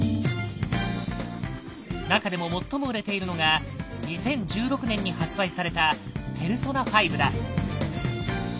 中でも最も売れているのが２０１６年に発売された「ペルソナ５」だ。